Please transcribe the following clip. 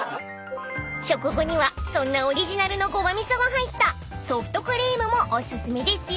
［食後にはそんなオリジナルのごまみそが入ったソフトクリームもお薦めですよ］